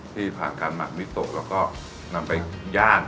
ที่ผ่านการหมักมิตกแล้วก็นำไปย่าง